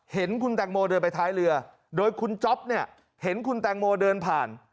เห็นคุณแตงโมเดินไปท้ายเรือโดยคุณจ๊อปเนี่ยเห็นคุณแตงโมเดินผ่าน